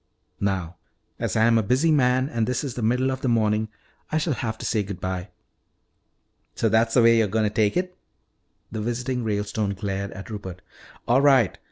Now, as I am a busy man and this is the middle of the morning, I shall have to say good bye " "So that's the way you're going to take it?" The visiting Ralestone glared at Rupert. "All right.